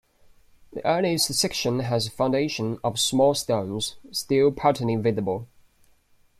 The earliest section has a foundation of small stones, still partly visible.